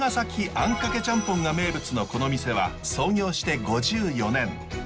あんかけチャンポンが名物のこの店は創業して５４年。